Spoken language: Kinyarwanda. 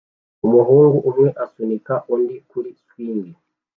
Umuhungu umwe asunika undi kuri swing